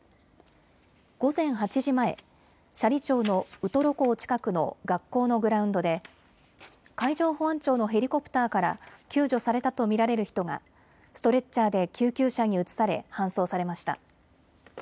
午前８時前、斜里町のウトロ港近くの学校のグラウンドで海上保安庁のヘリコプターから救助されたと見られる人がストレッチャーで救急車に移され搬送されました。